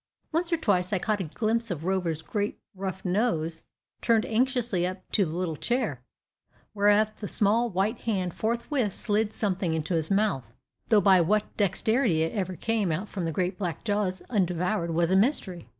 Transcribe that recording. Once or twice I caught a glimpse of Rover's great rough nose, turned anxiously up to the little chair; whereat the small white hand forthwith slid something into his mouth, though by what dexterity it ever came out from the great black jaws undevoured was a mystery.